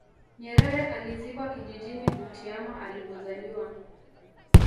nyerere alizikwa kijijini butiama alipozaliwa